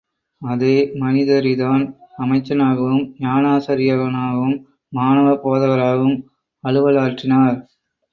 அதே மனிதரிதான், அமைச்சனாகவும், ஞானாசிரியனாகவும், மாணவப் போதகராகவும் அலுவலாற்றினார்.